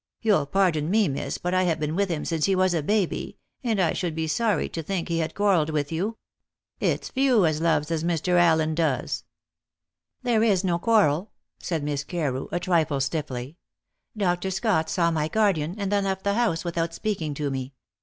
You'll pardon me, miss, but I have been with him since he was a baby, and I should be sorry to think he had quarrelled with you. It's few as loves as Mr. Allen does." "There is no quarrel," said Miss Carew, a trifle stiffly. "Dr. Scott saw my guardian, and then left the house without speaking to me.